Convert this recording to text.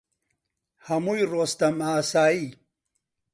هەمووی ڕۆستەم ئاسایی